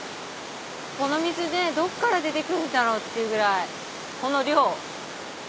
この水どっから出てくんだろうっていうぐらいこの量。